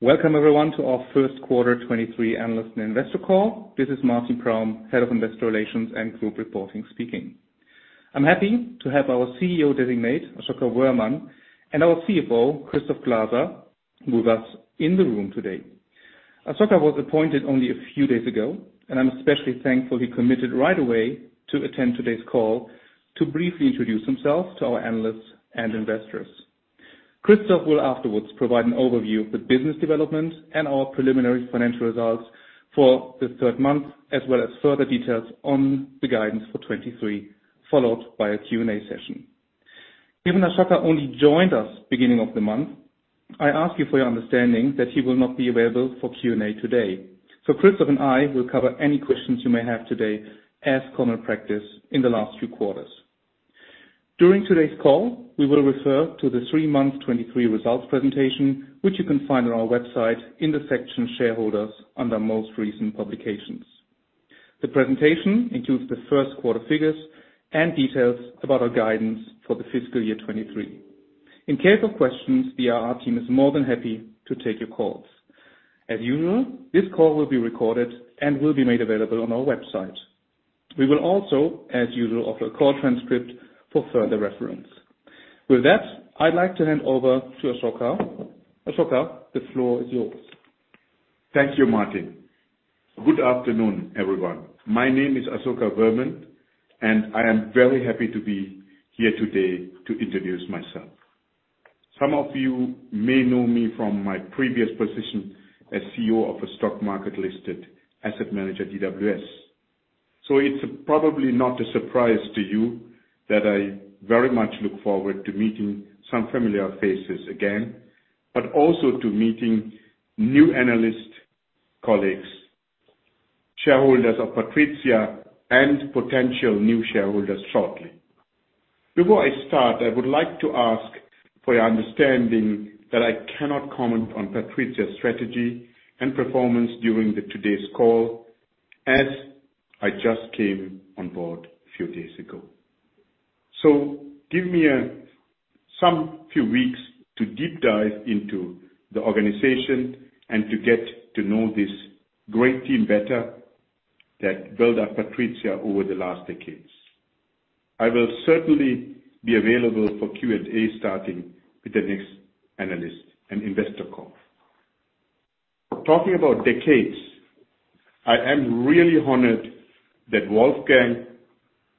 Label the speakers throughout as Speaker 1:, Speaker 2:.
Speaker 1: Welcome everyone to our first quarter 23 analyst and investor call. This is Martin Praum, head of investor relations and group reporting speaking. I'm happy to have our CEO Designate, Asoka Wöhrmann, and our CFO, Christoph Glaser, with us in the room today. Asoka was appointed only a few days ago, and I'm especially thankful he committed right away to attend today's call to briefly introduce himself to our analysts and investors. Christoph will afterwards provide an overview of the business development and our preliminary financial results for the third month, as well as further details on the guidance for 23, followed by a Q&A session. Given Asoka only joined us beginning of the month, I ask you for your understanding that he will not be available for Q&A today. Christoph and I will cover any questions you may have today as common practice in the last few quarters. During today's call, we will refer to the three-month 2023 results presentation, which you can find on our website in the section shareholders under most recent publications. The presentation includes the first quarter figures and details about our guidance for the fiscal year 2023. In case of questions, the IR team is more than happy to take your calls. As usual, this call will be recorded and will be made available on our website. We will also, as usual, offer a call transcript for further reference. With that, I'd like to hand over to Asoka Wöhrmann. Asoka Wöhrmann, the floor is yours.
Speaker 2: Thank you, Martin. Good afternoon, everyone. My name is Asoka Wöhrmann, and I am very happy to be here today to introduce myself. Some of you may know me from my previous position as CEO of a stock market-listed asset manager, DWS. It's probably not a surprise to you that I very much look forward to meeting some familiar faces again, but also to meeting new analyst colleagues, shareholders of PATRIZIA, and potential new shareholders shortly. Before I start, I would like to ask for your understanding that I cannot comment on PATRIZIA's strategy and performance during the today's call as I just came on board a few days ago. Give me some few weeks to deep dive into the organization and to get to know this great team better that build up PATRIZIA over the last decades. I will certainly be available for Q&A starting with the next analyst and investor call. Talking about decades, I am really honored that Wolfgang,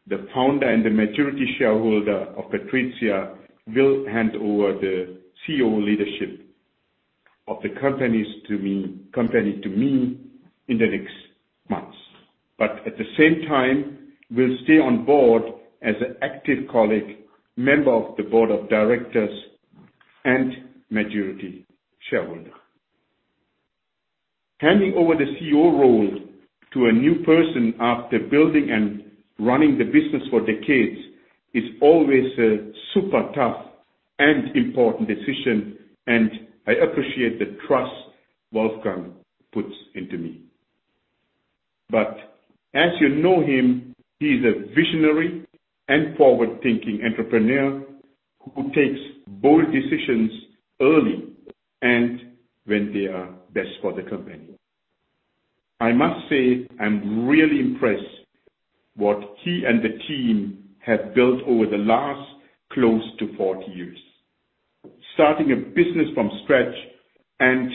Speaker 2: the founder and the majority shareholder of PATRIZIA, will hand over the CEO leadership of the company to me in the next months. At the same time, will stay on board as an active colleague, member of the board of directors and majority shareholder. Handing over the CEO role to a new person after building and running the business for decades is always a super tough and important decision, and I appreciate the trust Wolfgang puts into me. As you know him, he's a visionary and forward-thinking entrepreneur who takes bold decisions early and when they are best for the company. I must say, I'm really impressed what he and the team have built over the last close to 40 years. Starting a business from scratch and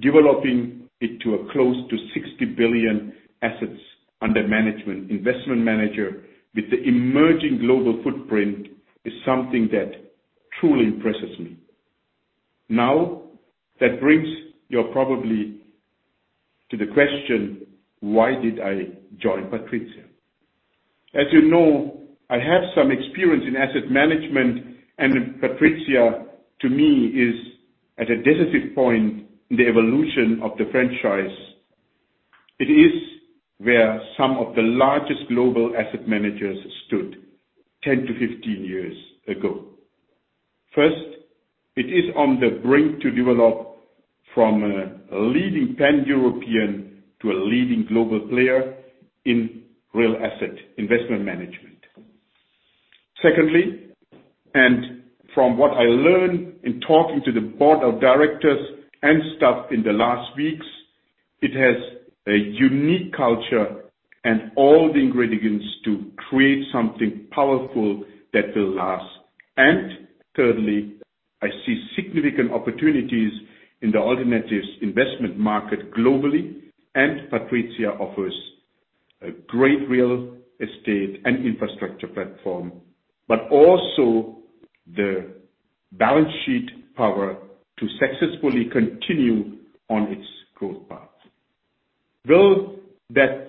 Speaker 2: developing it to a close to 60 billion assets under management, investment manager with the emerging global footprint is something that truly impresses me. That brings you probably to the question, why did I join PATRIZIA? As you know, I have some experience in asset management, and PATRIZIA, to me, is at a decisive point in the evolution of the franchise. It is where some of the largest global asset managers stood 10 to 15 years ago. First, it is on the brink to develop from a leading Pan-European to a leading global player in real asset investment management. Secondly, from what I learned in talking to the board of directors and staff in the last weeks, it has a unique culture and all the ingredients to create something powerful that will last. Thirdly, I see significant opportunities in the alternatives investment market globally, PATRIZIA offers a great real estate and infrastructure platform, but also the balance sheet power to successfully continue on its growth path. Will that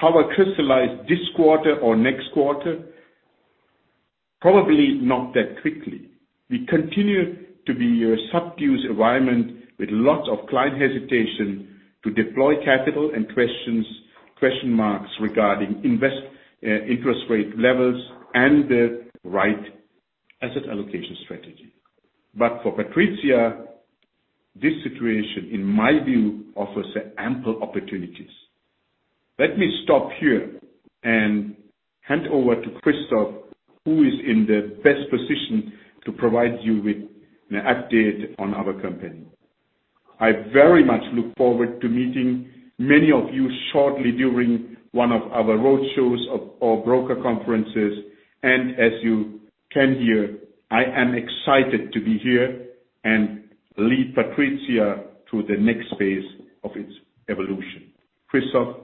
Speaker 2: power crystallize this quarter or next quarter? Probably not that quickly. We continue to be a subdued environment with lots of client hesitation to deploy capital and questions, question marks regarding interest rate levels and the right asset allocation strategy. For PATRIZIA, this situation, in my view, offers ample opportunities. Let me stop here and hand over to Christoph, who is in the best position to provide you with an update on our company. I very much look forward to meeting many of you shortly during one of our road shows or broker conferences. As you can hear, I am excited to be here and lead PATRIZIA through the next phase of its evolution. Christoph,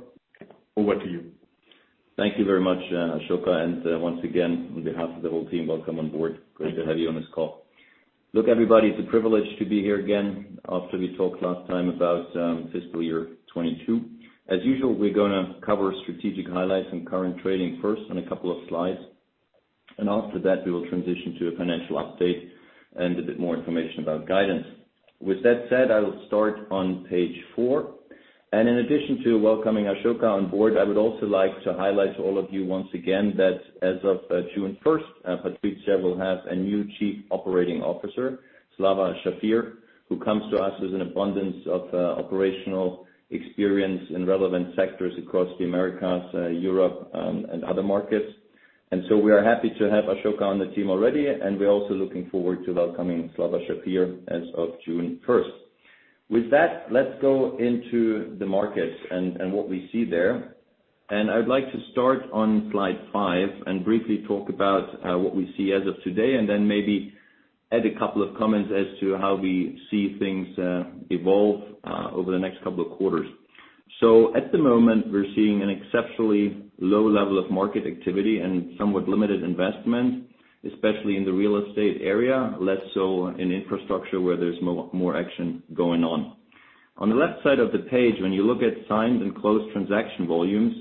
Speaker 2: over to you.
Speaker 3: Thank you very much, Asoka. Once again, on behalf of the whole team, welcome on board.
Speaker 2: Thank you.
Speaker 3: Great to have you on this call. Look, everybody, it's a privilege to be here again after we talked last time about fiscal year 2022. As usual, we're gonna cover strategic highlights and current trading first on a couple of slides. After that, we will transition to a financial update and a bit more information about guidance. With that said, I will start on page four. In addition to welcoming Asoka on board, I would also like to highlight to all of you once again that as of June 1st, PATRIZIA will have a new Chief Operating Officer, Slava Shafir, who comes to us with an abundance of operational experience in relevant sectors across the Americas, Europe, and other markets. We are happy to have Asoka on the team already, and we're also looking forward to welcoming Slava Shafir as of June first. With that, let's go into the markets and what we see there. I'd like to start on slide five and briefly talk about what we see as of today, and then maybe add a couple of comments as to how we see things evolve over the next couple of quarters. At the moment, we're seeing an exceptionally low level of market activity and somewhat limited investment, especially in the real estate area, less so in infrastructure where there's more action going on. On the left side of the page, when you look at signed and closed transaction volumes,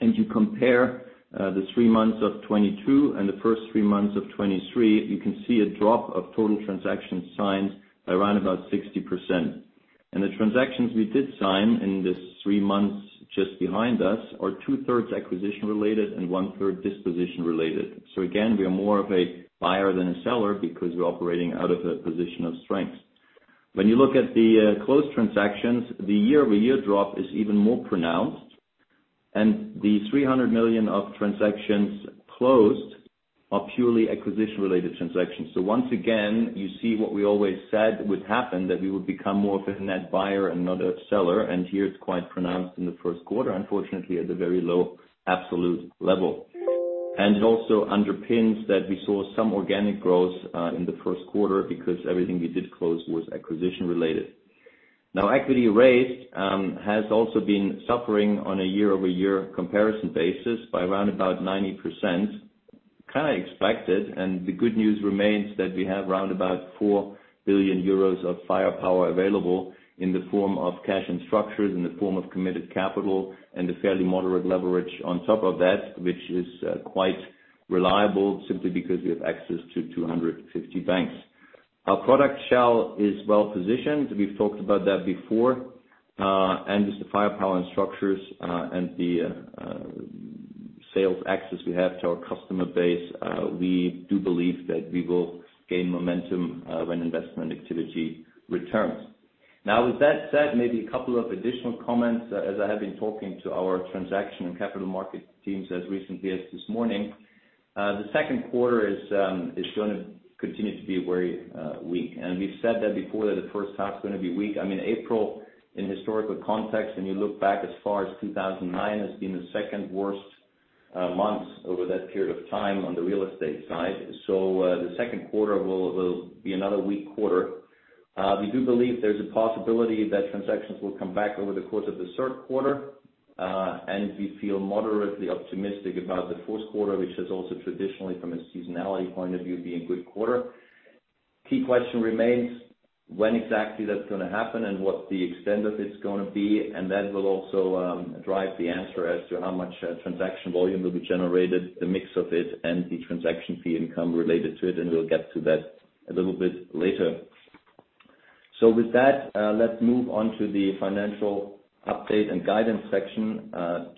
Speaker 3: and you compare, the three months of 2022 and the first three months of 2023, you can see a drop of total transactions signed by around about 60%. The transactions we did sign in this three months just behind us are two-thirds acquisition related and one-third disposition related. Again, we are more of a buyer than a seller because we're operating out of a position of strength. When you look at the closed transactions, the year-over-year drop is even more pronounced, and the 300 million of transactions closed are purely acquisition-related transactions. Once again, you see what we always said would happen, that we would become more of a net buyer and not a seller. Here it's quite pronounced in the first quarter, unfortunately, at a very low absolute level. It also underpins that we saw some organic growth in the first quarter because everything we did close was acquisition related. Equity raised has also been suffering on a year-over-year comparison basis by around about 90%, kind of expected. The good news remains that we have around about 4 billion euros of firepower available in the form of cash and structures, in the form of committed capital, and a fairly moderate leverage on top of that, which is quite reliable simply because we have access to 250 banks. Our product shell is well positioned. We've talked about that before. And with the firepower and structures, and the sales access we have to our customer base, we do believe that we will gain momentum when investment activity returns. Now, with that said, maybe a couple of additional comments. As I have been talking to our transaction and capital market teams as recently as this morning, the second quarter is gonna continue to be very weak. We've said that before that the first half is gonna be weak. I mean, April, in historical context, when you look back as far as 2009, has been the second-worst month over that period of time on the real estate side. The second quarter will be another weak quarter. We do believe there's a possibility that transactions will come back over the course of the third quarter. We feel moderately optimistic about the fourth quarter, which is also traditionally from a seasonality point of view, being a good quarter. Key question remains, when exactly that's gonna happen and what the extent of it's gonna be, and that will also drive the answer as to how much transaction volume will be generated, the mix of it, and the transaction fee income related to it, and we'll get to that a little bit later. With that, let's move on to the financial update and guidance section,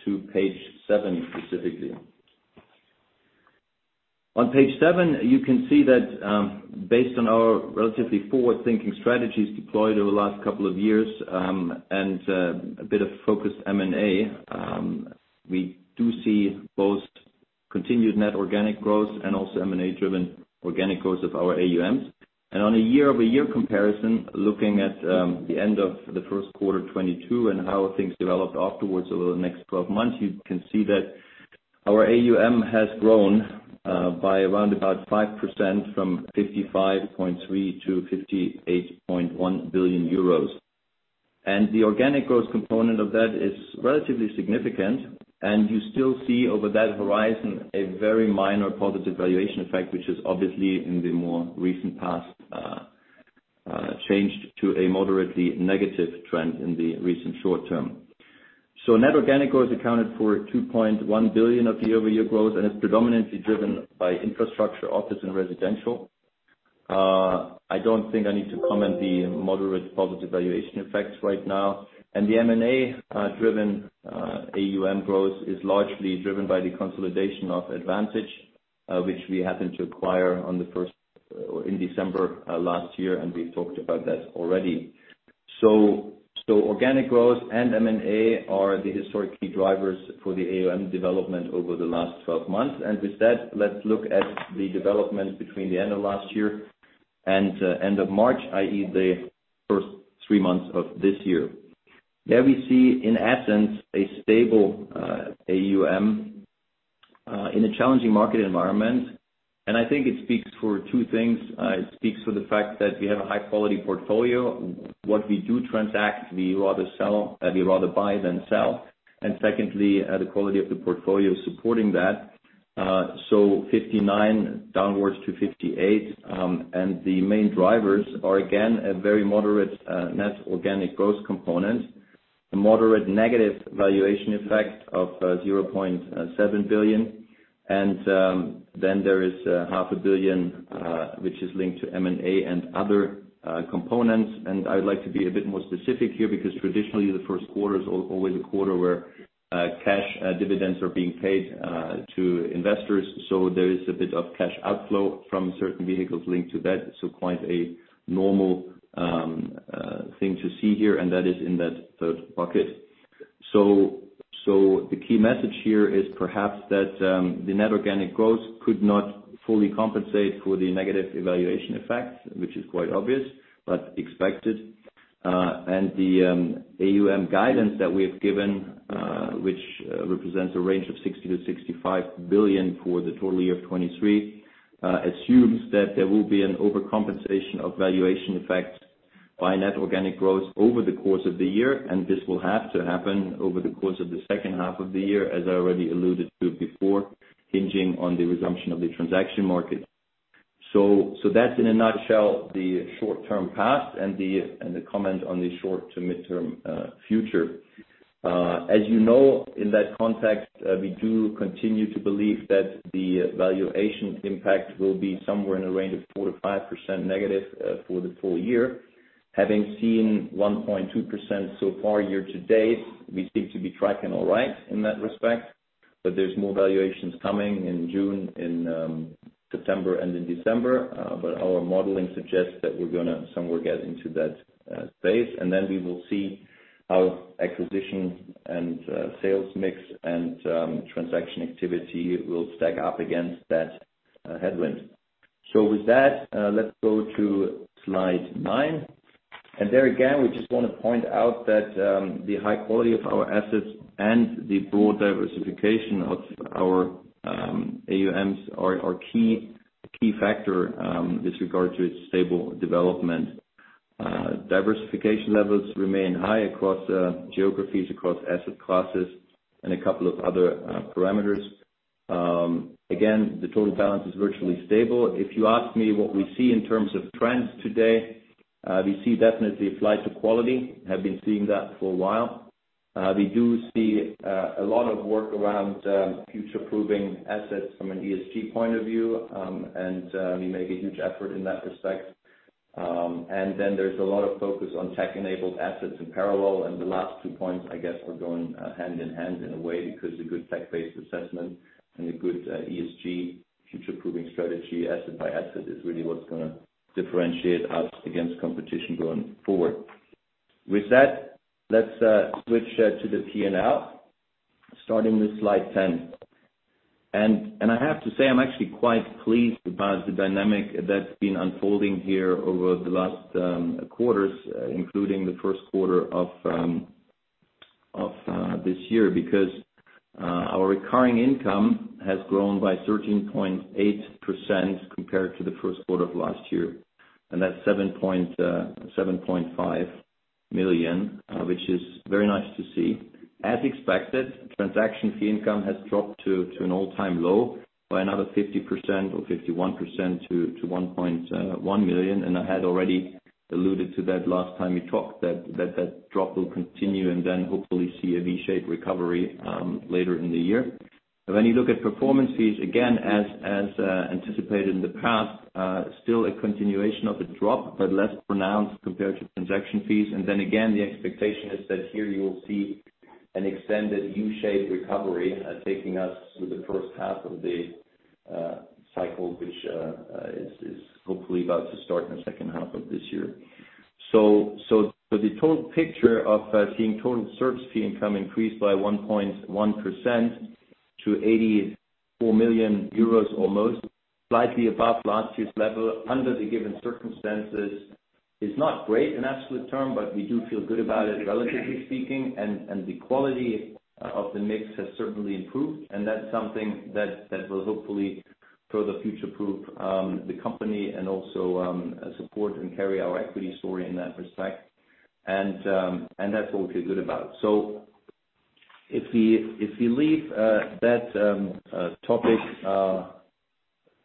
Speaker 3: to page seven specifically. On page seven, you can see that, based on our relatively forward-thinking strategies deployed over the last couple of years, and a bit of focused M&A, we do see both continued net organic growth and also M&A-driven organic growth of our AUMs. On a year-over-year comparison, looking at the end of the first quarter 2022 and how things developed afterwards over the next 12 months, you can see that our AUM has grown by around about 5% from 55.3 billion-58.1 billion euros. The organic growth component of that is relatively significant, and you still see over that horizon a very minor positive valuation effect, which is obviously in the more recent past changed to a moderately negative trend in the recent short term. Net organic growth accounted for 2.1 billion of year-over-year growth and is predominantly driven by infrastructure, office, and residential. I don't think I need to comment the moderate positive valuation effects right now. The M&A driven AUM growth is largely driven by the consolidation of Advantage, which we happened to acquire in December last year, and we've talked about that already. Organic growth and M&A are the historic key drivers for the AUM development over the last 12 months. Let's look at the development between the end of last year and end of March, i.e., the three months of this year. There we see, in essence, a stable AUM in a challenging market environment. I think it speaks for two things. It speaks for the fact that we have a high-quality portfolio. What we do transact, we rather buy than sell. Secondly, the quality of the portfolio supporting that. So 59 downwards to 58, and the main drivers are again, a very moderate net organic growth component. A moderate negative valuation effect of 0.7 billion. Then there is half a billion, which is linked to M&A and other components. I would like to be a bit more specific here, because traditionally, the first quarter is always a quarter where cash dividends are being paid to investors. So there is a bit of cash outflow from certain vehicles linked to that. So quite a normal thing to see here, and that is in that third bucket. So the key message here is perhaps that the net organic growth could not fully compensate for the negative evaluation effect, which is quite obvious, but expected. The AUM guidance that we have given, which represents a range of 60 billion-65 billion for the total year of 2023, assumes that there will be an overcompensation of valuation effects by net organic growth over the course of the year. This will have to happen over the course of the second half of the year, as I already alluded to before, hinging on the resumption of the transaction market. That's in a nutshell, the short-term past and the comment on the short to mid-term future. As you know, in that context, we do continue to believe that the valuation impact will be somewhere in the range of 4%-5% negative for the full year. Having seen 1.2% so far year to date, we seem to be tracking all right in that respect. There's more valuations coming in June, in September, and in December. Our modeling suggests that we're gonna somewhere get into that space, and then we will see how acquisition and sales mix and transaction activity will stack up against that headwind. With that, let's go to slide 9. There again, we just wanna point out that the high quality of our assets and the broad diversification of our AUMs are key factor with regard to its stable development. Diversification levels remain high across geographies, across asset classes and a couple of other parameters. Again, the total balance is virtually stable. If you ask me what we see in terms of trends today, we see definitely a flight to quality, have been seeing that for a while. We do see a lot of work around future-proofing assets from an ESG point of view, and we make a huge effort in that respect. Then there's a lot of focus on tech-enabled assets in parallel. The last two points, I guess, are going hand in hand in a way, because a good tech-based assessment and a good ESG future-proofing strategy, asset by asset, is really what's gonna differentiate us against competition going forward. With that, let's switch to the P&L, starting with slide 10. I have to say, I'm actually quite pleased about the dynamic that's been unfolding here over the last quarters, including the first quarter of this year, because our recurring income has grown by 13.8% compared to the first quarter of last year. That's 7.5 million, which is very nice to see. As expected, transaction fee income has dropped to an all-time low by another 50% or 51% to 1.1 million. I had already alluded to that last time we talked that drop will continue and then hopefully see a V-shaped recovery later in the year. When you look at performance fees, again, as anticipated in the past, still a continuation of a drop, but less pronounced compared to transaction fees. Again, the expectation is that here you will see an extended U-shaped recovery, taking us through the first half of the cycle, which is hopefully about to start in the second half of this year. The total picture of seeing total service fee income increase by 1.1% to 84 million euros almost, slightly above last year's level under the given circumstances, is not great in absolute term. We do feel good about it relatively speaking, and the quality of the mix has certainly improved, and that's something that will hopefully further future-proof the company and also support and carry our equity story in that respect. That's what we feel good about.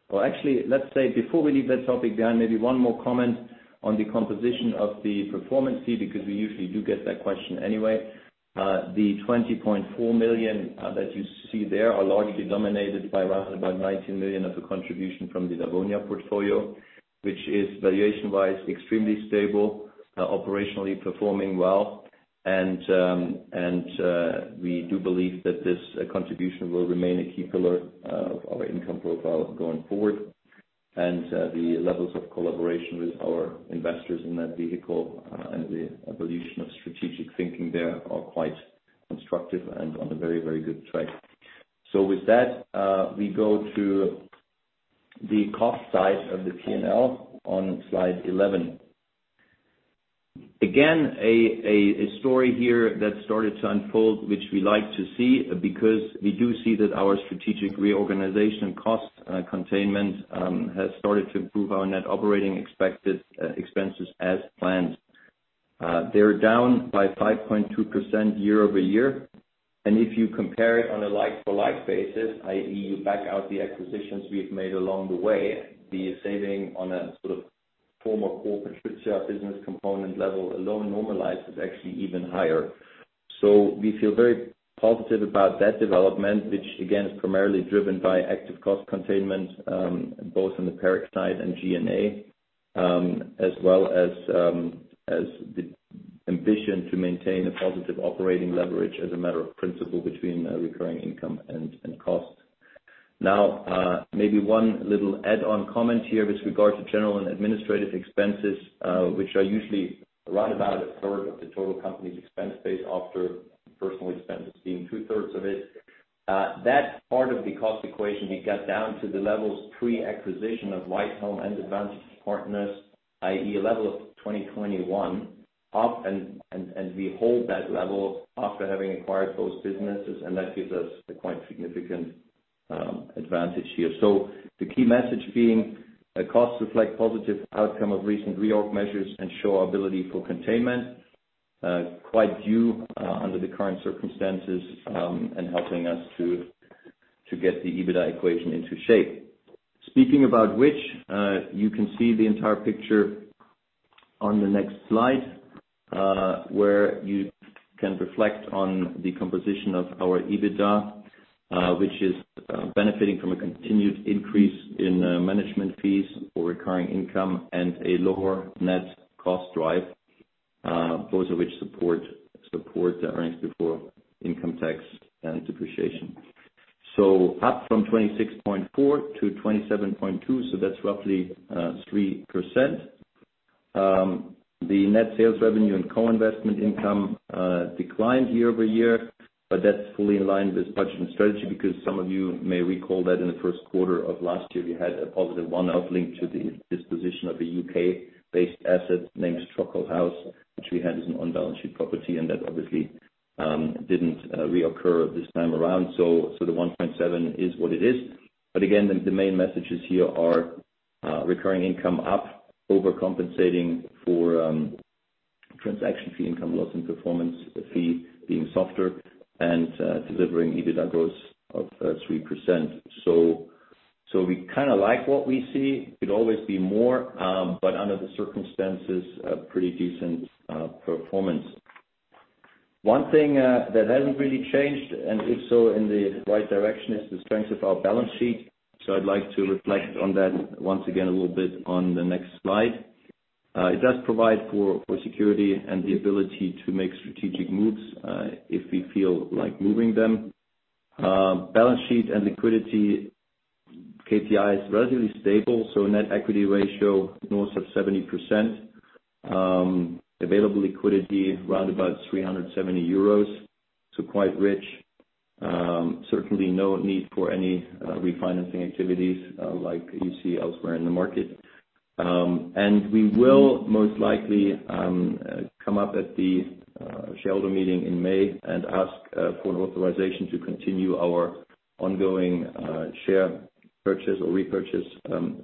Speaker 3: Well, actually, let's say before we leave that topic behind, maybe one more comment on the composition of the performance fee, because we usually do get that question anyway. The 20.4 million that you see there are largely dominated by round about 19 million as a contribution from the Dawonia portfolio, which is valuation-wise, extremely stable, operationally performing well. We do believe that this contribution will remain a key pillar of our income profile going forward. The levels of collaboration with our investors in that vehicle, and the evolution of strategic thinking there are quite constructive and on a very, very good track. With that, we go to the cost side of the PNL on slide 11. Again, a story here that started to unfold, which we like to see because we do see that our strategic reorganization cost containment has started to improve our net operating expected expenses as planned. They're down by 5.2% year-over-year. If you compare it on a like-for-like basis, i.e, you back out the acquisitions we've made along the way, the saving on a sort of former corporate future business component level alone normalized is actually even higher. We feel very positive about that development, which again, is primarily driven by active cost containment, both in the parent side and G&A, as well as the ambition to maintain a positive operating leverage as a matter of principle between recurring income and costs. Maybe one little add-on comment here with regard to general and administrative expenses, which are usually around about a third of the total company's expense base after personal expenses being two-thirds of it. That part of the cost equation, we got down to the levels pre-acquisition of Whitehelm and Advantage Partners, i.e. a level of 2021 up and we hold that level after having acquired those businesses, and that gives us a quite significant advantage here. The key message being, costs reflect positive outcome of recent reorg measures and show our ability for containment, quite due, under the current circumstances, and helping us to get the EBITDA equation into shape. Speaking about which, you can see the entire picture on the next slide, where you can reflect on the composition of our EBITDA, which is benefiting from a continued increase in management fees or recurring income and a lower net cost drive, both of which support the earnings before income tax and depreciation. Up from 26.4-27.2, that's roughly 3%. The net sales revenue and co-investment income declined year-over-year. That's fully in line with budget and strategy because some of you may recall that in the first quarter of last year, we had a positive one-off linked to the disposition of a U.K.-based asset named Trocoll House, which we had as an on-balance sheet property, and that obviously didn't reoccur this time around. So the 1.7 is what it is. Again, the main messages here are recurring income up, overcompensating for transaction fee income loss and performance fee being softer and delivering EBITDA growth of 3%. So we kinda like what we see. Could always be more. Under the circumstances, a pretty decent performance. One thing that hasn't really changed, and if so in the right direction, is the strength of our balance sheet. I'd like to reflect on that once again a little bit on the next slide. It does provide for security and the ability to make strategic moves if we feel like moving them. Balance sheet and liquidity KPI is relatively stable, net equity ratio north of 70%. Available liquidity around about 370 euros, so quite rich. Certainly no need for any refinancing activities like you see elsewhere in the market. We will most likely come up at the shareholder meeting in May and ask for an authorization to continue our ongoing share purchase or repurchase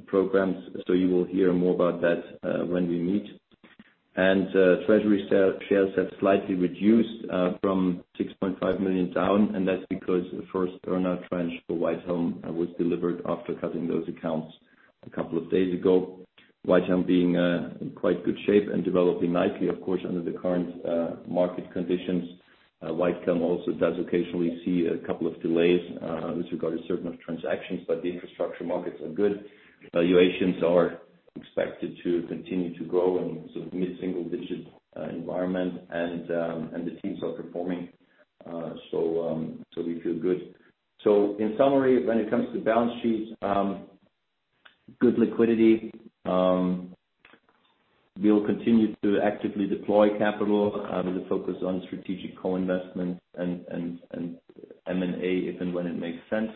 Speaker 3: programs. You will hear more about that when we meet. Treasury sale shares have slightly reduced from 6.5 million down, and that's because the first earn-out tranche for Whitehelm was delivered after cutting those accounts a couple of days ago. Whitehelm being in quite good shape and developing nicely, of course, under the current market conditions. Whitehelm also does occasionally see a couple of delays with regard to certain transactions, but the infrastructure markets are good. Valuations are expected to continue to grow in sort of mid-single digit environment and the teams are performing. We feel good. In summary, when it comes to balance sheets, good liquidity. We'll continue to actively deploy capital with a focus on strategic co-investments and M&A if and when it makes sense.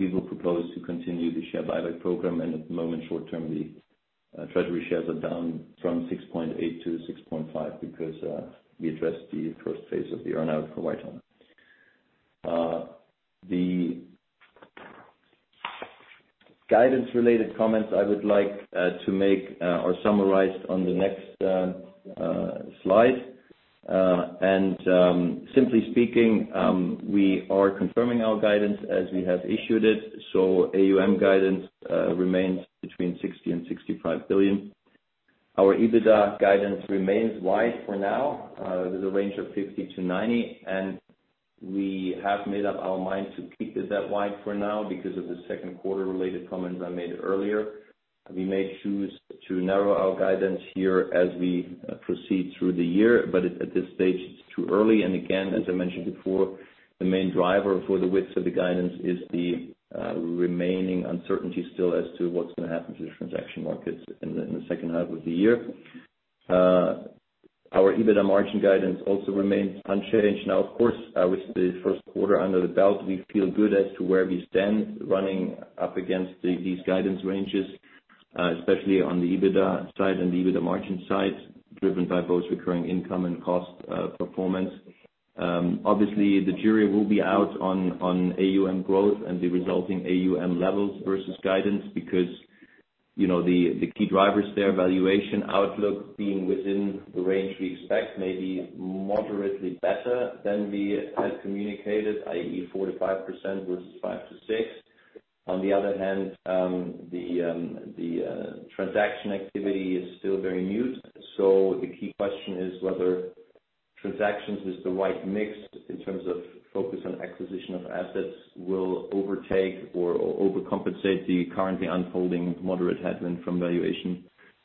Speaker 3: We will propose to continue the share buyback program. At the moment, short term, the treasury shares are down from 6.8-6.5 because we addressed the first phase of the earn-out for Whitehelm. The guidance related comments I would like to make are summarized on the next slide. Simply speaking, we are confirming our guidance as we have issued it. AUM guidance remains between 60 billion and 65 billion. Our EBITDA guidance remains wide for now, with a range of 50 million-90 million. We have made up our mind to keep the deadline for now because of the second quarter related comments I made earlier. We may choose to narrow our guidance here as we proceed through the year, but at this stage it's too early. Again, as I mentioned before, the main driver for the width of the guidance is the remaining uncertainty still as to what's gonna happen to the transaction markets in the second half of the year. Our EBITDA margin guidance also remains unchanged. Now, of course, with the first quarter under the belt, we feel good as to where we stand running up against these guidance ranges, especially on the EBITDA side and the EBITDA margin side, driven by both recurring income and cost performance. Obviously the jury will be out on AUM growth and the resulting AUM levels versus guidance because, you know, the key drivers there, valuation outlook being within the range we expect may be moderately better than we had communicated, i.e., 4%-5% versus 5%-6%. On the other hand, the transaction activity is still very mute. The key question is whether transactions is the right mix in terms of focus on acquisition of assets will overtake or overcompensate the currently unfolding moderate headwind from valuation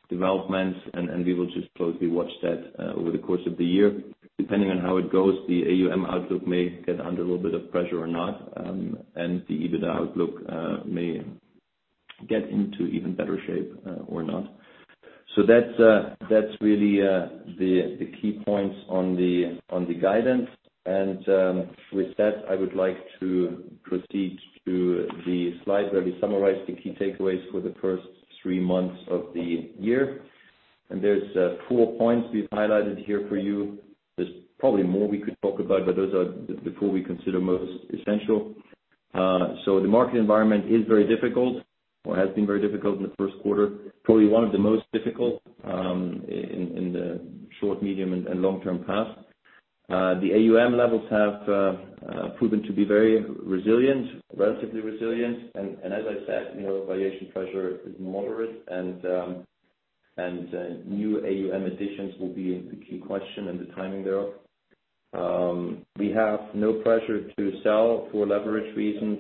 Speaker 3: developments. We will just closely watch that over the course of the year. Depending on how it goes, the AUM outlook may get under a little bit of pressure or not, and the EBITDA outlook may get into even better shape or not. That's really the key points on the guidance. With that, I would like to proceed to the slide where we summarize the key takeaways for the first three months of the year. There's four points we've highlighted here for you. There's probably more we could talk about, but those are the four we consider most essential. The market environment is very difficult or has been very difficult in the 1st quarter, probably one of the most difficult in the short, medium, and long-term past. The AUM levels have proven to be very resilient, relatively resilient. As I said, you know, valuation pressure is moderate and new AUM additions will be the key question and the timing thereof. We have no pressure to sell for leverage reasons.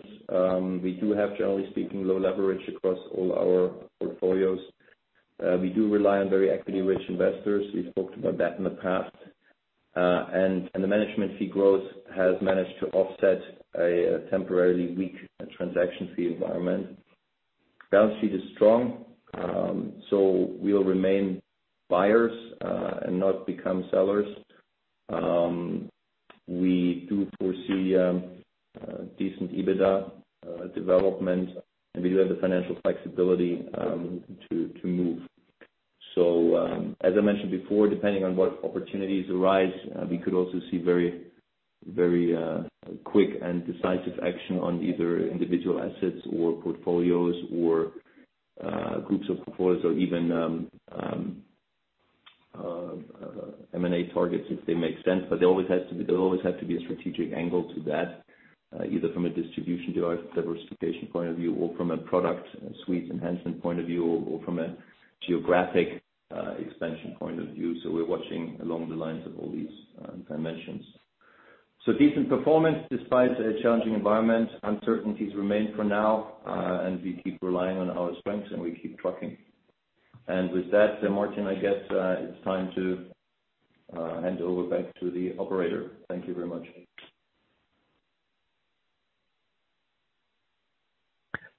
Speaker 3: We do have, generally speaking, low leverage across all our portfolios. We do rely on very equity-rich investors. We spoke about that in the past. The management fee growth has managed to offset a temporarily weak transaction fee environment. Balance sheet is strong, we'll remain buyers and not become sellers. We do foresee decent EBITDA development, and we do have the financial flexibility to move. As I mentioned before, depending on what opportunities arise, we could also see very, very quick and decisive action on either individual assets or portfolios or groups of portfolios or even M&A targets if they make sense. There always has to be, there will always have to be a strategic angle to that, either from a distribution diversification point of view or from a product suite enhancement point of view or from a geographic expansion point of view. We're watching along the lines of all these dimensions. Decent performance despite a challenging environment. Uncertainties remain for now, and we keep relying on our strengths and we keep trucking. With that, then Martin, I guess, it's time to, hand over back to the operator. Thank you very much.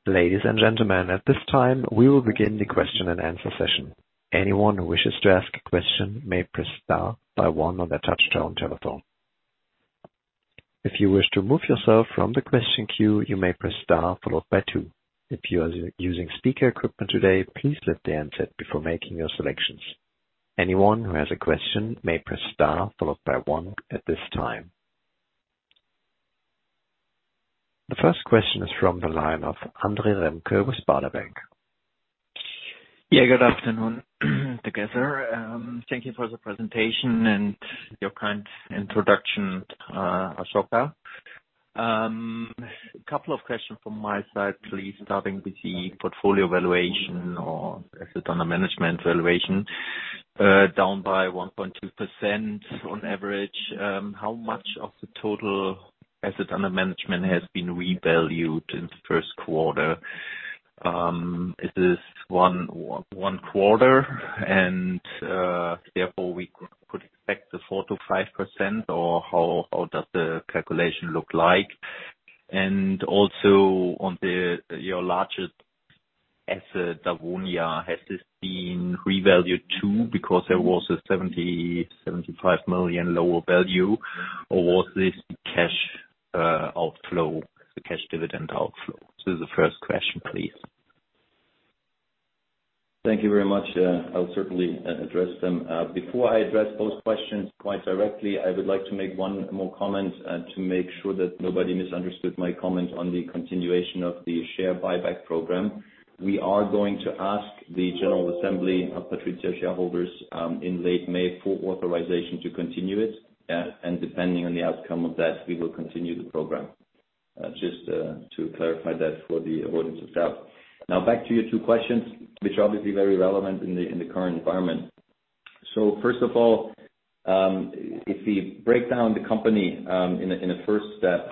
Speaker 4: Ladies and gentlemen, at this time, we will begin the question-and-answer session. Anyone who wishes to ask a question may press star by one on their touchtone telephone. If you wish to remove yourself from the question queue, you may press star followed by two. If you are using speaker equipment today, please lift the handset before making your selections. Anyone who has a question may press star followed by one at this time. The first question is from the line of Andre Remke with Baader Bank.
Speaker 5: Good afternoon together. Thank you for the presentation and your kind introduction, Asoka. Couple of questions from my side please, starting with the portfolio valuation or asset under management valuation, down by 1.2% on average. How much of the total assets under management has been revalued in the first quarter? Is this one quarter and therefore we could expect the 4%-5%, or how does the calculation look like? Also on the, your largest asset, Dawonia, has this been revalued too because there was a 75 million lower value, or was this cash outflow, the cash dividend outflow? This is the first question, please.
Speaker 3: Thank you very much. I'll certainly address them. Before I address both questions quite directly, I would like to make one more comment to make sure that nobody misunderstood my comment on the continuation of the share buyback program. We are going to ask the general assembly of PATRIZIA shareholders in late May for authorization to continue it. Depending on the outcome of that, we will continue the program. Just to clarify that for the avoidance of doubt. Now back to your two questions, which are obviously very relevant in the current environment. First of all, if we break down the company in a first step,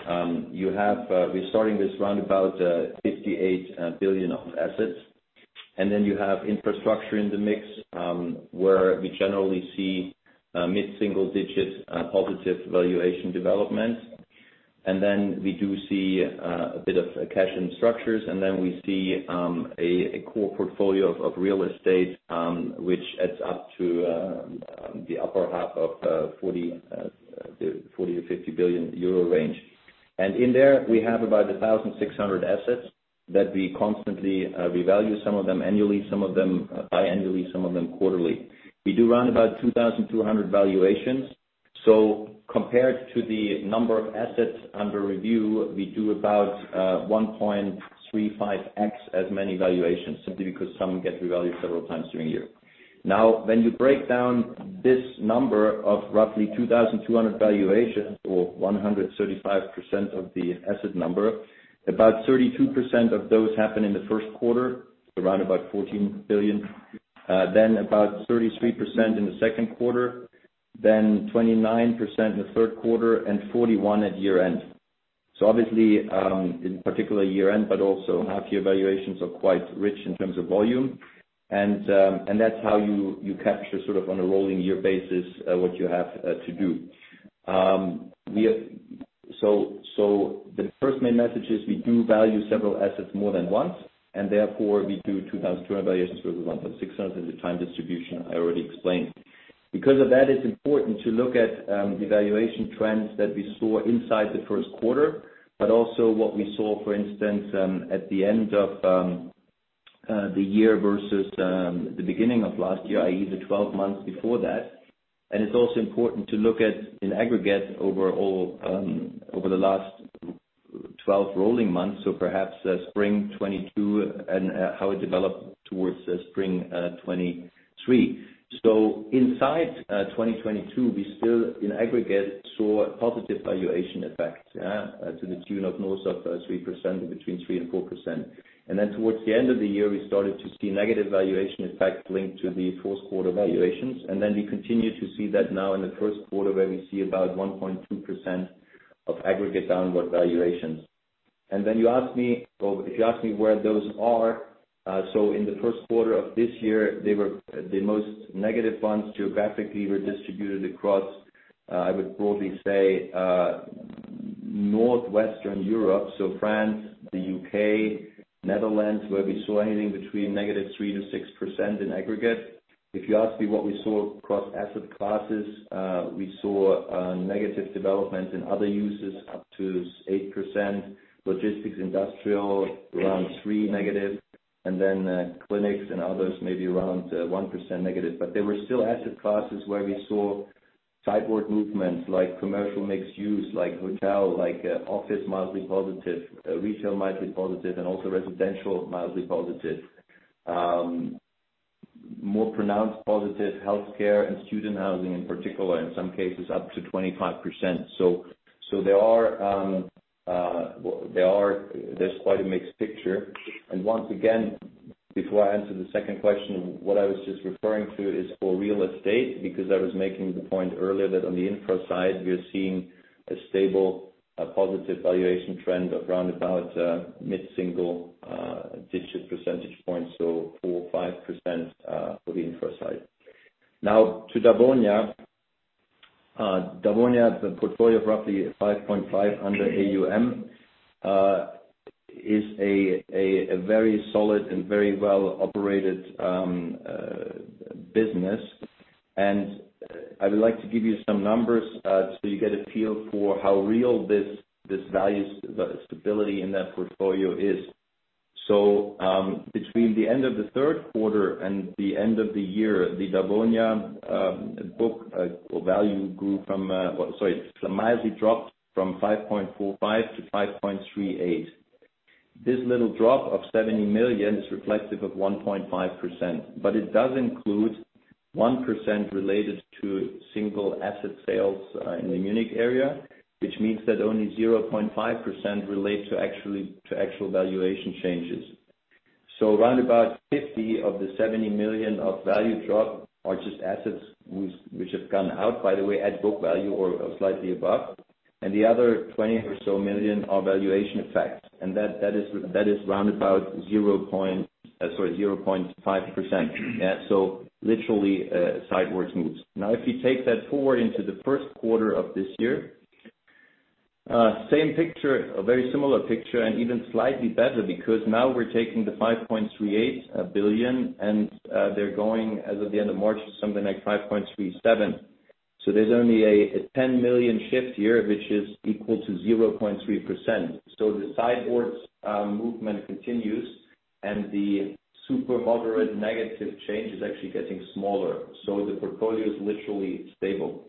Speaker 3: you have, we're starting this round about 58 billion of assets. You have infrastructure in the mix, where we generally see mid-single digit positive valuation development. We do see a bit of cash and structures. We see a core portfolio of real estate, which adds up to the upper half of 40 billion-50 billion euro range. In there we have about 1,600 assets that we constantly revalue some of them annually, some of them bi-annually, some of them quarterly. We do round about 2,200 valuations. Compared to the number of assets under review, we do about 1.35x as many valuations, simply because some get revalued several times during the year. Now, when you break down this number of roughly 2,200 valuations or 135% of the asset number, about 32% of those happen in the first quarter, so round about 14 billion. About 33% in the second quarter, then 29% in the third quarter and 41% at year-end. Obviously, in particular year-end, but also half year valuations are quite rich in terms of volume. And that's how you capture sort of on a rolling year basis, what you have to do. So the first main message is we do value several assets more than once, and therefore we do 2,200 valuations versus 1,600 is the time distribution I already explained. Because of that, it's important to look at the valuation trends that we saw inside the first quarter, but also what we saw, for instance, at the end of the year versus the beginning of last year, i.e. the 12 months before that. It's also important to look at in aggregate over all over the last 12 rolling months. Perhaps spring 2022 and how it developed towards spring 2023. Inside 2022, we still in aggregate saw a positive valuation effect to the tune of north of 3%, between 3% and 4%. Then towards the end of the year, we started to see negative valuation effects linked to the fourth quarter valuations. We continue to see that now in the first quarter where we see about 1.2% of aggregate downward valuations. If you ask me where those are, in the first quarter of this year, The most negative ones geographically were distributed across, I would broadly say, Northwestern Europe, so France, the U.K., Netherlands, where we saw anything between -3% to -6% in aggregate. If you ask me what we saw across asset classes, we saw negative developments in other uses up to 8%. Logistics, industrial around -3%, and then clinics and others maybe around -1%. There were still asset classes where we saw sideward movements like commercial mixed use, like hotel, like office mildly positive, retail mildly positive, and also residential mildly positive. More pronounced positive, healthcare and student housing in particular, in some cases up to 25%. There's quite a mixed picture. And once again, before I answer the second question, what I was just referring to is for real estate, because I was making the point earlier that on the infra side, we are seeing a stable, positive valuation trend of round about mid-single digit percentage points, so 4% or 5%, for the infra side. Now to Dawonia. Dawonia, the portfolio of roughly 5.5 under AUM, is a very solid and very well operated business. I would like to give you some numbers, so you get a feel for how real this value stability in that portfolio is. Between the end of the third quarter and the end of the year, the Dawonia book or value grew from. Sorry. It slightly dropped from 5.45 billion-5.38 billion. This little drop of 70 million is reflective of 1.5%, but it does include 1% related to single asset sales in the Munich area, which means that only 0.5% relate to actual valuation changes. Round about 50 million of the 70 million of value drop are just assets which have gone out, by the way, at book value or slightly above. The other 20 million or so are valuation effects. That is round about, sorry, 0.5%. Literally, sideways moves. Now, if you take that forward into the first quarter of this year, same picture, a very similar picture and even slightly better because now we're taking the 5.38 billion and they're going as of the end of March to something like 5.37 billion. There's only a 10 million shift here, which is equal to 0.3%. The sideways movement continues and the super moderate negative change is actually getting smaller. The portfolio is literally stable.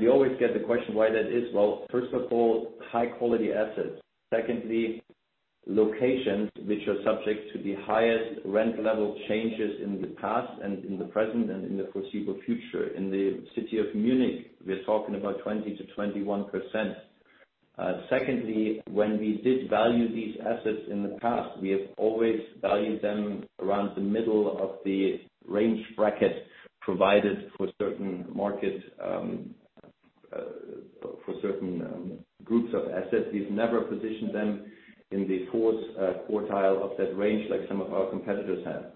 Speaker 3: We always get the question why that is. Well, first of all, high quality assets. Secondly, locations which are subject to the highest rent level changes in the past and in the present and in the foreseeable future. In the city of Munich, we're talking about 20%-21%. Secondly, when we did value these assets in the past, we have always valued them around the middle of the range bracket provided for certain market for certain groups of assets. We've never positioned them in the 4th quartile of that range like some of our competitors have.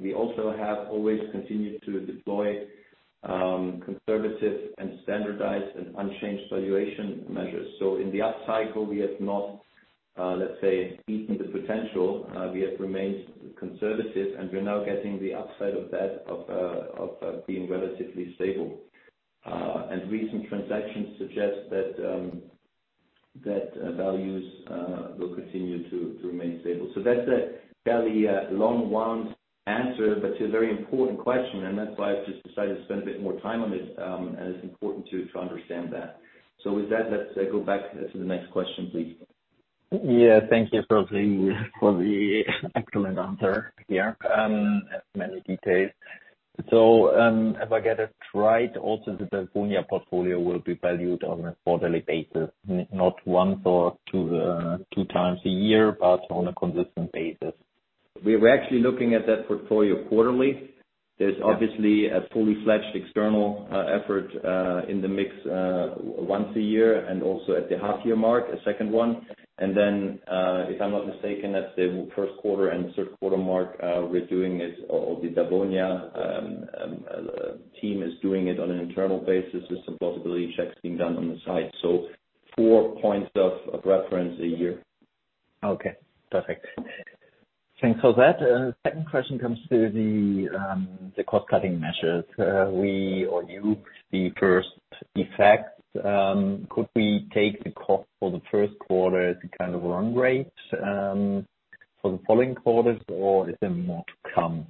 Speaker 3: We also have always continued to deploy conservative and standardized and unchanged valuation measures. In the up cycle we have not, let's say, eaten the potential. We have remained conservative, and we're now getting the upside of that, being relatively stable. Recent transactions suggest that, values, will continue to remain stable. That's a fairly, long-wind answer, but to a very important question, and that's why I've just decided to spend a bit more time on this, and it's important to understand that. With that, let's, go back to the next question, please.
Speaker 5: Yeah. Thank you for the excellent answer here, many details. If I get it right, also the Dawonia portfolio will be valued on a quarterly basis, not once or two times a year, but on a consistent basis.
Speaker 3: We're actually looking at that portfolio quarterly.
Speaker 5: Yeah.
Speaker 3: There's obviously a fully-fledged external effort in the mix once a year and also at the half year mark, a second one. If I'm not mistaken, at the first quarter and third quarter mark, we're doing it, or the Dawonia team is doing it on an internal basis with some possibility checks being done on the side. four points of reference a year.
Speaker 5: Okay. Perfect. Thanks for that. Second question comes to the cost-cutting measures. We or you, the first effects, could we take the cost for the first quarter to kind of run rate for the following quarters, or is there more to come?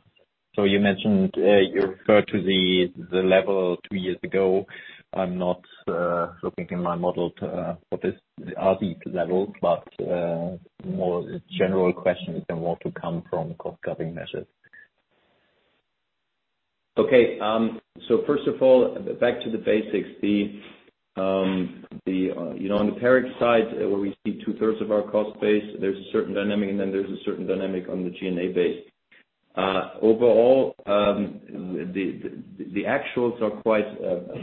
Speaker 5: You mentioned, you referred to the level two years ago. I'm not looking in my model to what are these levels, but more general question is what will come from cost-cutting measures?
Speaker 3: Okay. First of all, back to the basics. The, you know, on the OpEx side where we see two-thirds of our cost base, there's a certain dynamic, and then there's a certain dynamic on the G&A base. Overall, the actuals are quite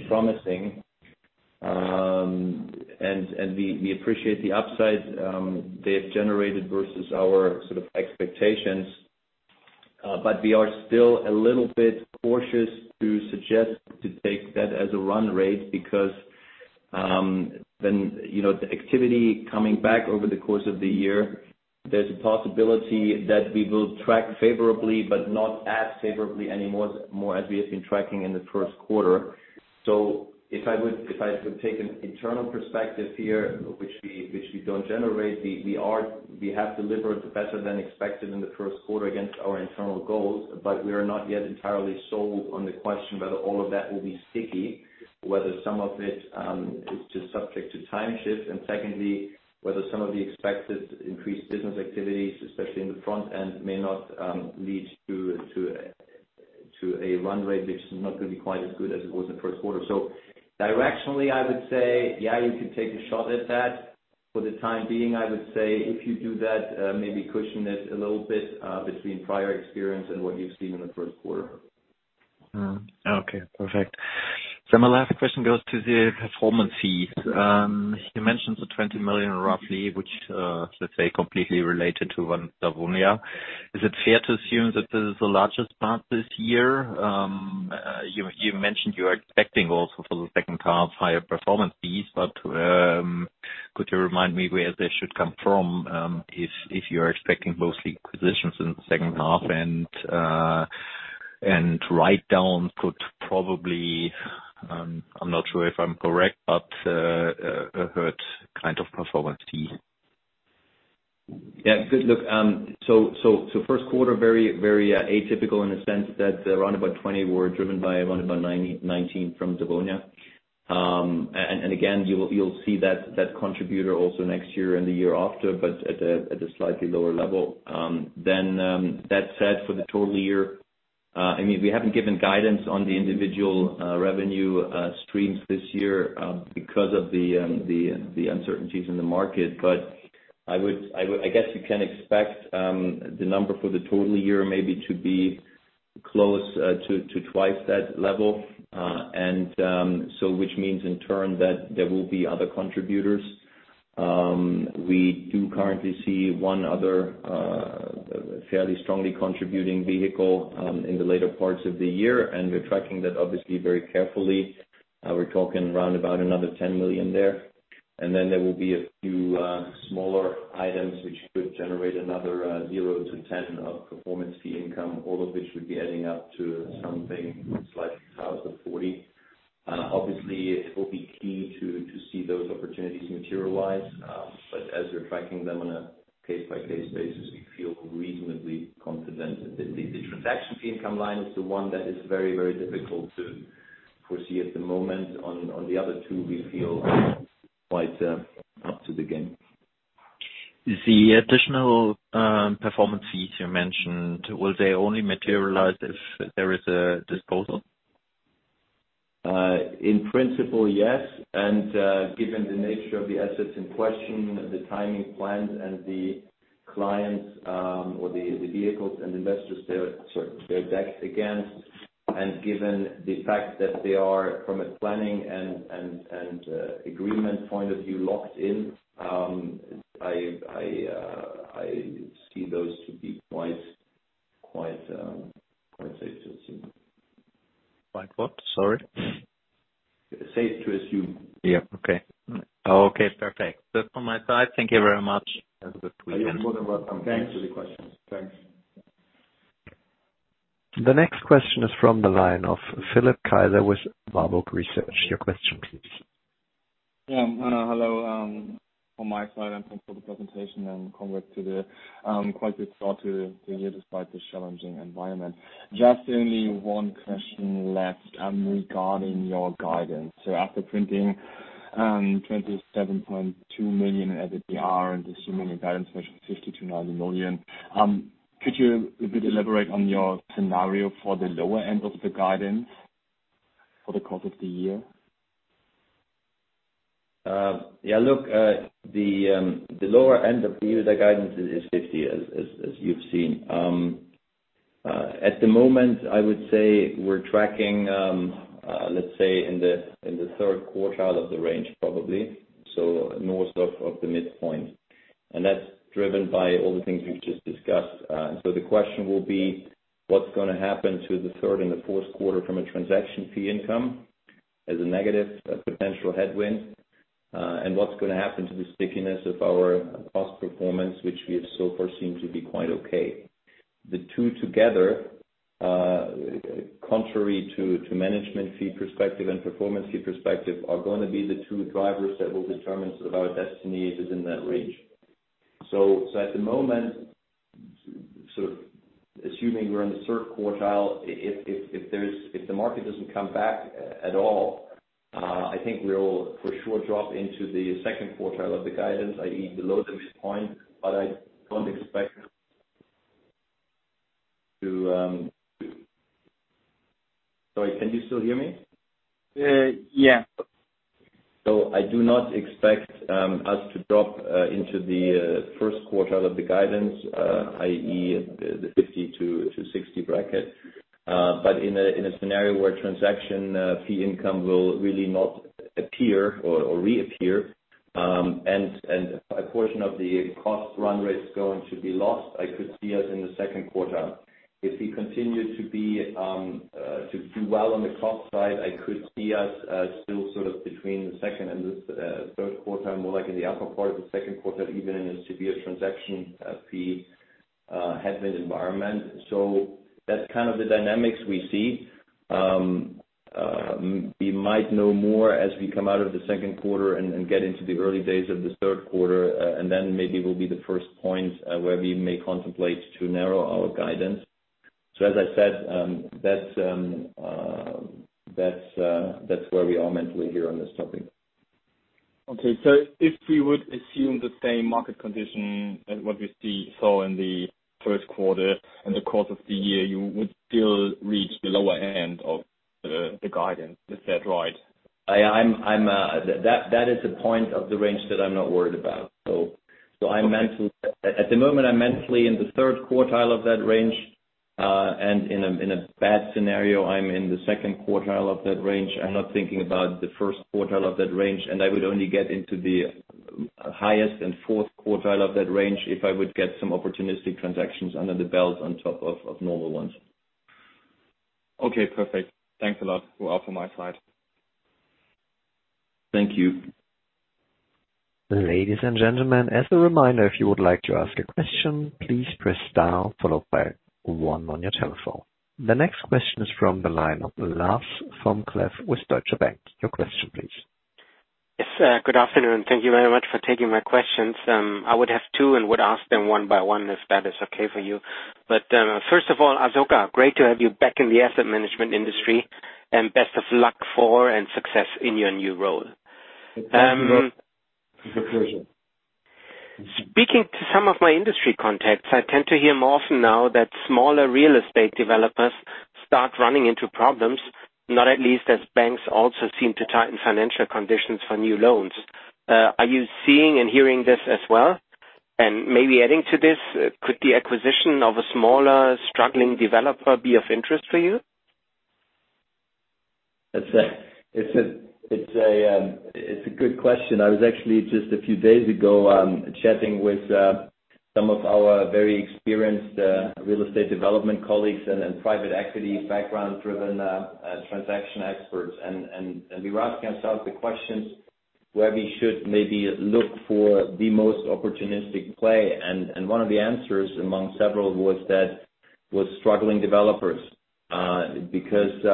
Speaker 3: promising, and we appreciate the upside they have generated versus our sort of expectations. We are still a little bit cautious to suggest to take that as a run rate because, you know, the activity coming back over the course of the year, there's a possibility that we will track favorably, but not as favorably anymore as we have been tracking in the first quarter. If I would, if I could take an internal perspective here, which we, which we don't generate, we have delivered better than expected in the first quarter against our internal goals, but we are not yet entirely sold on the question whether all of that will be sticky, whether some of it is just subject to time shift. Secondly, whether some of the expected increased business activities, especially in the front end, may not lead to a run rate which is not gonna be quite as good as it was in the first quarter. Directionally, I would say, yeah, you could take a shot at that. For the time being, I would say if you do that, maybe cushion it a little bit between prior experience and what you've seen in the first quarter.
Speaker 5: Okay. Perfect. My last question goes to the performance fees. You mentioned the 20 million roughly which, let's say, completely related to Dawonia. Is it fair to assume that this is the largest part this year? You, you mentioned you are expecting also for the second half higher performance fees, but, could you remind me where they should come from, if you are expecting mostly acquisitions in the second half and write down could probably, I'm not sure if I'm correct, but, hurt kind of performance fee?
Speaker 3: Yeah. Good. Look, so first quarter, very atypical in the sense that around about 20 were driven by around about 19 from Dawonia. Again, you will, you'll see that contributor also next year and the year after, but at a slightly lower level. That said, for the total year, I mean, we haven't given guidance on the individual revenue streams this year, because of the uncertainties in the market. I would guess you can expect the number for the total year maybe to be close to twice that level. Which means in turn that there will be other contributors. We do currently see one other fairly strongly contributing vehicle in the later parts of the year, and we're tracking that obviously very carefully. We're talking around about another 10 million there. Then there will be a few smaller items which could generate another 0-10 of performance fee income, all of which would be adding up to something slightly south of 40. Obviously, it will be key to see those opportunities materialize, but as we're tracking them on a case-by-case basis, we feel reasonably confident that the transaction fee income line is the one that is very, very difficult to foresee at the moment. On the other two, we feel quite up to the game.
Speaker 5: The additional performance fees you mentioned, will they only materialize if there is a disposal?
Speaker 3: In principle, yes. Given the nature of the assets in question, the timing plans and the clients, or the vehicles and investors, they're, sorry, they're decked against. Given the fact that they are from a planning and agreement point of view locked in, I see those to be quite safe to assume.
Speaker 5: Quite what? Sorry.
Speaker 3: Safe to assume.
Speaker 5: Yeah. Okay. Okay, perfect. That's from my side. Thank you very much.
Speaker 3: You're more than welcome. Thanks for the questions. Thanks.
Speaker 4: The next question is from the line of Philipp Kaiser with Baader Bank. Your question please.
Speaker 6: Hello from my side, and thanks for the presentation and congrats to the quite good start to the year despite the challenging environment. Just only one question left regarding your guidance. After printing 27.2 million at the DR and assuming a guidance ratio of 50 million-90 million, could you a bit elaborate on your scenario for the lower end of the guidance for the course of the year?
Speaker 3: Yeah, look, the lower end of the year, the guidance is 50 as you've seen. At the moment, I would say we're tracking, let's say in the third quartile of the range, probably. So north of the midpoint. That's driven by all the things we've just discussed. The question will be what's gonna happen to the third and the fourth quarter from a transaction fee income as a negative, a potential headwind, and what's gonna happen to the stickiness of our cost performance, which we have so far seem to be quite okay. The two together, contrary to management fee perspective and performance fee perspective are gonna be the two drivers that will determine if our destiny is in that range. At the moment, so assuming we're in the third quartile, if the market doesn't come back at all, I think we'll for sure drop into the second quartile of the guidance, i.e., below the midpoint. I don't expect to. Sorry, can you still hear me?
Speaker 6: Yeah.
Speaker 3: I do not expect us to drop into the first quartile of the guidance, i.e., the 50-60 bracket. In a scenario where transaction fee income will really not appear or reappear, and a portion of the cost run rate is going to be lost, I could see us in the second quarter. If we continue to be to do well on the cost side, I could see us still sort of between the second and the third quarter, more like in the upper part of the second quarter, even in a severe transaction fee headwind environment. That's kind of the dynamics we see. We might know more as we come out of the second quarter and get into the early days of the third quarter, and then maybe will be the first point, where we may contemplate to narrow our guidance. As I said, that's where we are mentally here on this topic.
Speaker 6: Okay. If we would assume the same market condition as what we saw in the first quarter and the course of the year, you would still reach the lower end of the guidance. Is that right?
Speaker 3: That is the point of the range that I'm not worried about. At the moment, I'm mentally in the third quartile of that range. In a bad scenario, I'm in the second quartile of that range. I'm not thinking about the first quartile of that range. I would only get into the highest and fourth quartile of that range if I would get some opportunistic transactions under the belt on top of normal ones.
Speaker 6: Okay, perfect. Thanks a lot. We're off on my side.
Speaker 3: Thank you.
Speaker 4: Ladies and gentlemen, as a reminder, if you would like to ask a question, please press star followed by one on your telephone. The next question is from the line of Lars vom Cleff with Deutsche Bank. Your question please.
Speaker 7: Yes. Good afternoon. Thank you very much for taking my questions. I would have two and would ask them one by one if that is okay for you. First of all, Asoka, great to have you back in the asset management industry, and best of luck for and success in your new role.
Speaker 3: It's a pleasure.
Speaker 7: Speaking to some of my industry contacts, I tend to hear more often now that smaller real estate developers start running into problems, not at least as banks also seem to tighten financial conditions for new loans. Are you seeing and hearing this as well? Maybe adding to this, could the acquisition of a smaller, struggling developer be of interest for you?
Speaker 3: It's a good question. I was actually just a few days ago, chatting with some of our very experienced real estate development colleagues and private equity background-driven transaction experts. We were asking ourselves the questions where we should maybe look for the most opportunistic play. One of the answers among several was that struggling developers, because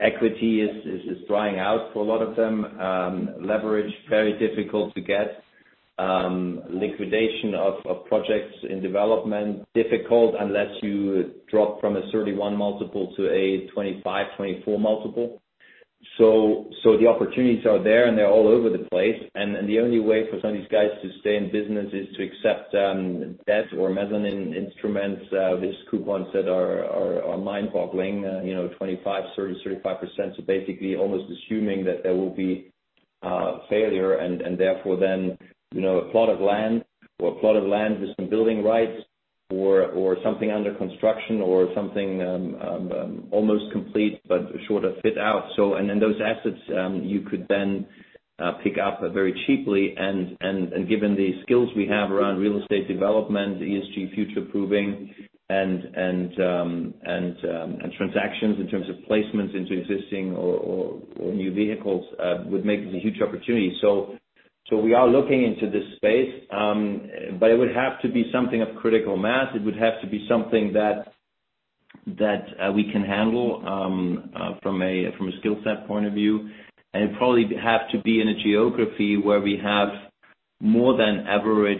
Speaker 3: equity is drying out for a lot of them. Leverage, very difficult to get. Liquidation of projects in development, difficult unless you drop from a 31 multiple to a 25, 24 multiple. The opportunities are there and they're all over the place. The only way for some of these guys to stay in business is to accept debt or mezzanine instruments with coupons that are mind-boggling, you know, 25%, 30%, 35%. Basically almost assuming that there will be failure and therefore then, you know, a plot of land or a plot of land with some building rights or something under construction or something almost complete but short of fit out. And then those assets, you could then pick up very cheaply and given the skills we have around real estate development, ESG future proving and transactions in terms of placements into existing or new vehicles, would make this a huge opportunity. We are looking into this space, but it would have to be something of critical mass. It would have to be something that we can handle from a skill set point of view. It'd probably have to be in a geography where we have more than average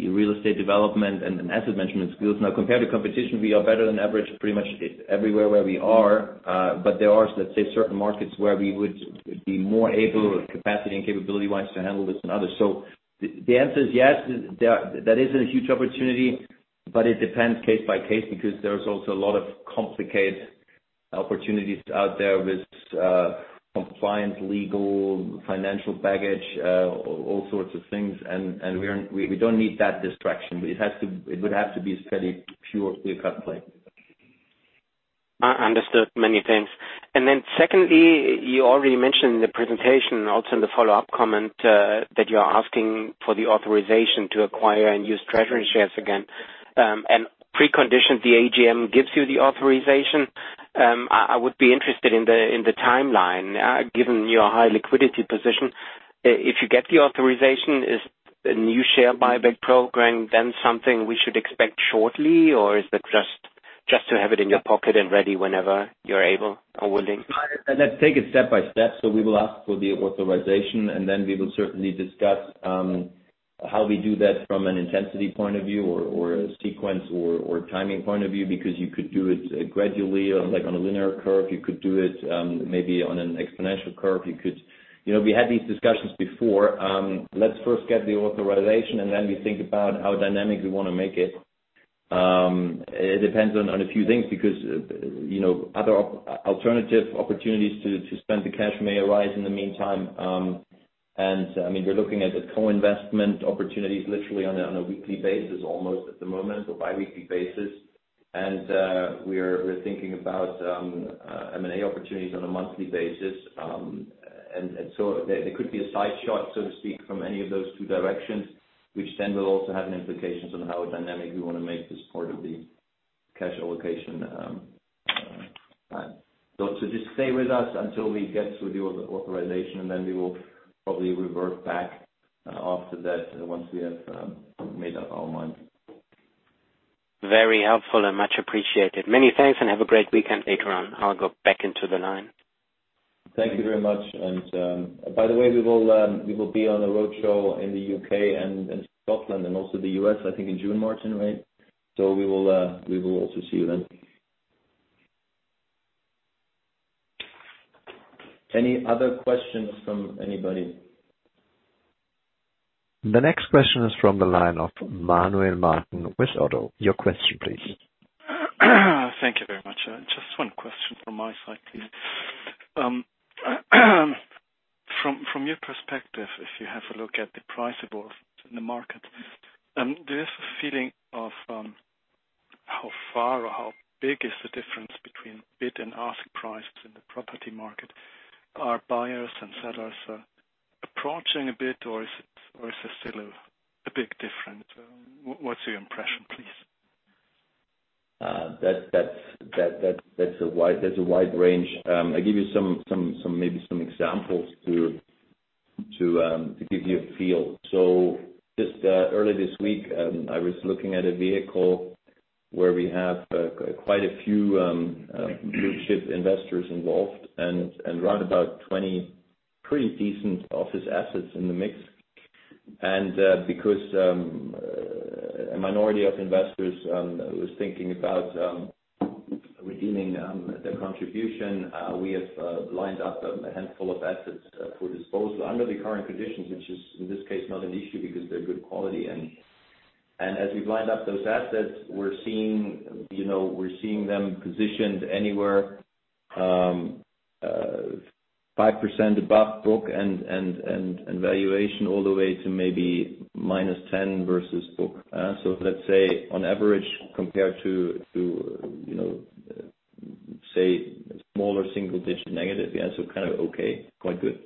Speaker 3: real estate development and asset management skills. Compared to competition, we are better than average pretty much everywhere where we are. But there are, let's say, certain markets where we would be more able, capacity and capability-wise, to handle this than others. The answer is yes. That is a huge opportunity, but it depends case by case because there's also a lot of complicated opportunities out there with compliance, legal, financial baggage, all sorts of things. We don't need that distraction. It would have to be a fairly pure clear-cut play.
Speaker 7: Understood. Many thanks. Then secondly, you already mentioned in the presentation also in the follow-up comment, that you are asking for the authorization to acquire and use treasury shares again, and precondition the AGM gives you the authorization. I would be interested in the timeline, given your high liquidity position. If you get the authorization, is the new share buyback program then something we should expect shortly, or is that just to have it in your pocket and ready whenever you're able or willing?
Speaker 3: Let's take it step by step. We will ask for the authorization, and then we will certainly discuss how we do that from an intensity point of view or a sequence or timing point of view. You could do it gradually, like on a linear curve. You could do it, maybe on an exponential curve. You know, we had these discussions before. Let's first get the authorization, and then we think about how dynamic we wanna make it. It depends on a few things because, you know, other alternative opportunities to spend the cash may arise in the meantime. I mean, we're looking at co-investment opportunities literally on a weekly basis, almost at the moment, or bi-weekly basis. We're thinking about M&A opportunities on a monthly basis. There, there could be a side shot, so to speak, from any of those two directions, which then will also have an implications on how dynamic we wanna make this part of the cash allocation. Just stay with us until we get through the authorization, and then we will probably revert back after that once we have made up our mind.
Speaker 7: Very helpful and much appreciated. Many thanks and have a great weekend, Ekram. I'll go back into the line.
Speaker 3: Thank you very much. By the way, we will be on a roadshow in the U.K. and Scotland and also the U.S., I think in June, Martin, right? We will also see you then. Any other questions from anybody?
Speaker 4: The next question is from the line of Manuel Martin with ODDO BHF. Your question, please.
Speaker 8: Thank you very much. Just one question from my side, please. From your perspective, if you have a look at the price of both in the market, there is a feeling of how far or how big is the difference between bid and ask prices in the property market. Are buyers and sellers approaching a bit or is it still a big difference? What's your impression, please?
Speaker 3: that's a wide range. I'll give you some examples to give you a feel. Just earlier this week, I was looking at a vehicle where we have quite a few blue chip investors involved and round about 20 pretty decent office assets in the mix. Because a minority of investors was thinking about redeeming their contribution, we have lined up a handful of assets for disposal under the current conditions, which is, in this case, not an issue because they're good quality. As we've lined up those assets, we're seeing, you know, we're seeing them positioned anywhere, 5% above book and valuation all the way to maybe -10% versus book. Let's say on average compared to, you know, say smaller single digit negative. Yeah, so kind of okay, quite good.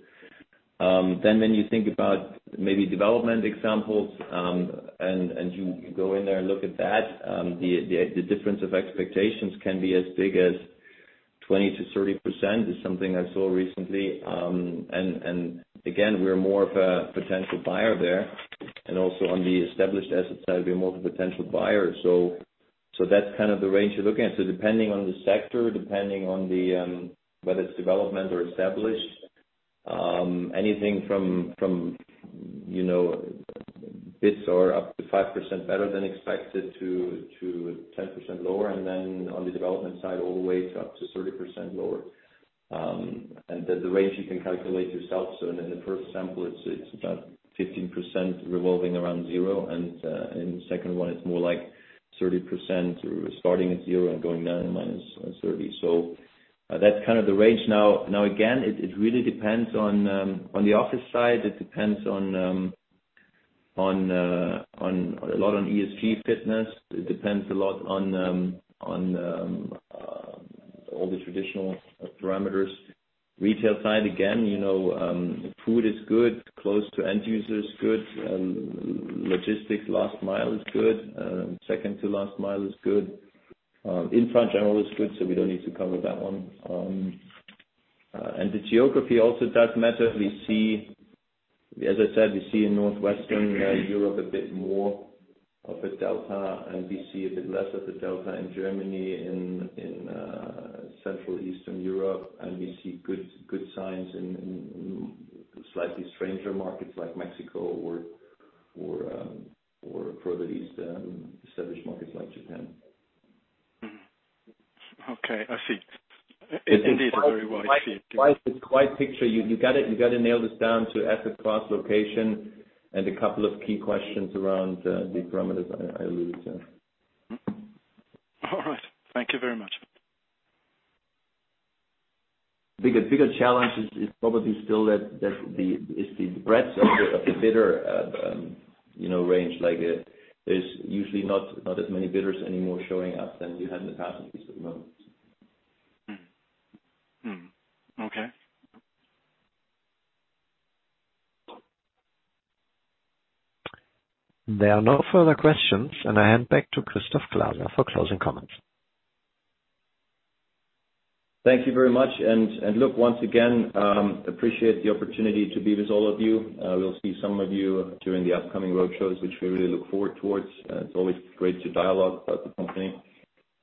Speaker 3: When you think about maybe development examples, and you go in there and look at that, the difference of expectations can be as big as 20%-30% is something I saw recently. Again, we're more of a potential buyer there, and also on the established asset side, we're more of a potential buyer. That's kind of the range you're looking at. Depending on the sector, depending on the, whether it's development or established, anything from, you know, Bits are up to 5% better than expected to 10% lower. On the development side, all the way up to 30% lower. The range you can calculate yourself. In the first sample it's about 15% revolving around zero and in the second one it's more like 30% starting at zero and going down -30. That's kind of the range. Now again, it really depends on the office side, it depends on a lot on ESG fitness. It depends a lot on all the traditional parameters. Retail side, again, you know, food is good, close to end user is good. Logistics, last mile is good. Second to last mile is good. Infra in general is good, so we don't need to cover that one. The geography also does matter. As I said, we see in northwestern Europe a bit more of a delta, and we see a bit less of a delta in Germany, in central eastern Europe. We see good signs in slightly stranger markets like Mexico or further east, established markets like Japan.
Speaker 6: Okay, I see. Indeed a very wide field.
Speaker 3: Wide, it's wide picture. You gotta nail this down to asset class location and a couple of key questions around the parameters I alluded to.
Speaker 6: All right. Thank you very much.
Speaker 3: Bigger challenge is probably still that is the breadth of the bidder, you know, range. Like, there's usually not as many bidders anymore showing up than you had in the past at least at the moment.
Speaker 6: Mm-hmm. Mm-hmm. Okay.
Speaker 4: There are no further questions, and I hand back to Christoph Glaser for closing comments.
Speaker 3: Thank you very much. Look, once again, appreciate the opportunity to be with all of you. We'll see some of you during the upcoming roadshows, which we really look forward towards. It's always great to dialogue about the company.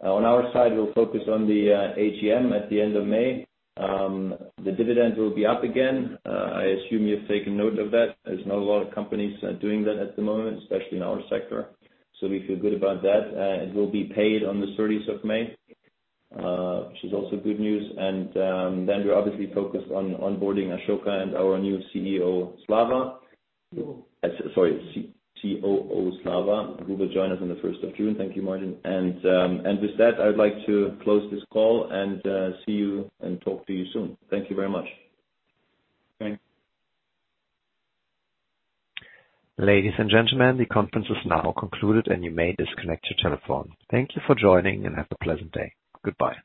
Speaker 3: On our side, we'll focus on the AGM at the end of May. The dividend will be up again. I assume you've taken note of that. There's not a lot of companies doing that at the moment, especially in our sector. We feel good about that. It will be paid on the 30th of May, which is also good news. Then we're obviously focused on onboarding Asoka and our new CEO, Slava. Sorry, COO, Slava, who will join us on the 1st of June. Thank you, Martin. With that, I would like to close this call and see you and talk to you soon. Thank you very much.
Speaker 2: Thanks.
Speaker 4: Ladies and gentlemen, the conference is now concluded and you may disconnect your telephone. Thank you for joining and have a pleasant day. Goodbye.